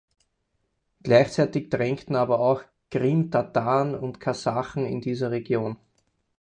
Gleichzeitig drängten aber auch Krimtataren und Kasachen in diese Region.